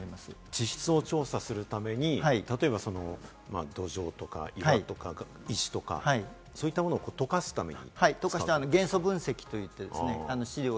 地質を調査するために例えば土壌とか岩とか石とか、そういったものをとかすために？